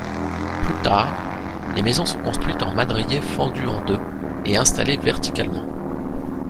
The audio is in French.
Plus tard, les maisons sont construites en madriers fendus en deux et installés verticalement.